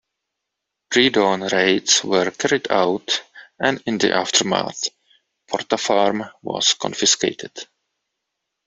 Pre-dawn raids were carried out and, in the aftermath, Porta Farm was confiscated.